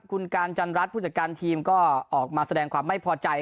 คุณการจันรัฐผู้จัดการทีมก็ออกมาแสดงความไม่พอใจ